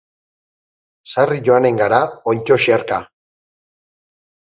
Sarri joanen gara onddo xerka.